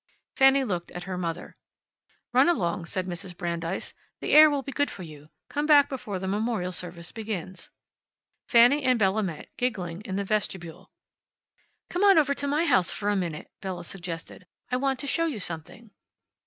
Fanny looked at her mother. "Run along," said Mrs. Brandeis. "The air will be good for you. Come back before the memorial service begins." Fanny and Bella met, giggling, in the vestibule. "Come on over to my house for a minute," Bella suggested. "I want to show you something."